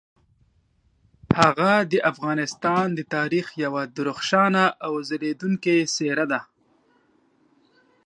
هغه د افغانستان د تاریخ یوه درخشانه او ځلیدونکي څیره ده.